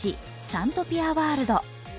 サントピアワールド。